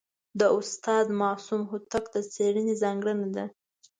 د استاد معصوم هوتک د څېړني ځانګړنه ده.